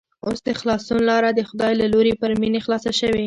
اوس د خلاصون لاره د خدای له لوري پر مينې خلاصه شوې